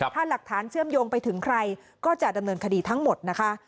ถ้าหลักฐานเชื่อมโยงไปถึงใครก็จะดำเนินคดีทั้งหมดนะคะ